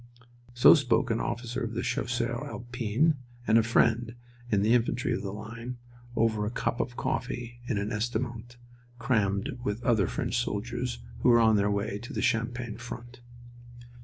So spoke an officer of the Chasseurs Alpins, and a friend in the infantry of the line, over a cup of coffee in an estaminet crammed with other French soldiers who were on their way to the Champagne front.